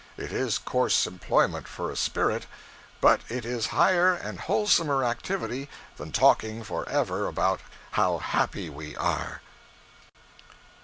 It is coarse employment for a spirit, but it is higher and wholesomer activity than talking for ever about 'how happy we are.'